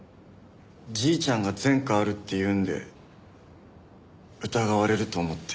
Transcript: じいちゃんが前科あるって言うんで疑われると思って。